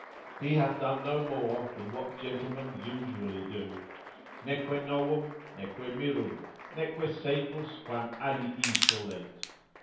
he hath done no more than what gentlemen usually do. Neque novum, neque mirum, neque secus quam alii solent.